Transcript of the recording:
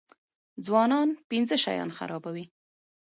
ځوانان پنځه شیان خرابوي.